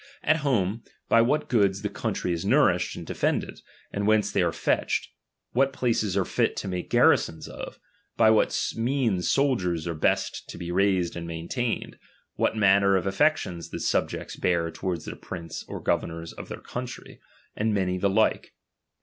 At home, chap.'^* by what goods the country is nourished and de fended, and whence they are fetched ; what places are fit to make garrisons of; by what means sol diers are best to be raised and maintained ; what manner of affections the subjects bear towards their prince or governors of their country ; and many the like.